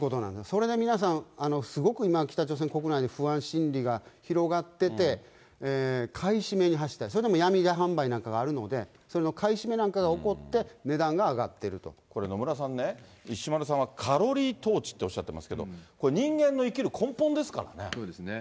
それで皆さん、すごく今、北朝鮮国内で不安心理が広がってて、買い占めに走ったり、それでも闇販売などがあるので、それの買い占めなんかが起こって、これ、野村さんね、石丸さんは、カロリー統治っておっしゃってますけど、これ、人間の生きる根本そうですね。